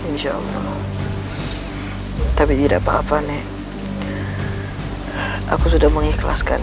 hai insyaallah tapi tidak apa apa nek aku sudah mengikhlaskan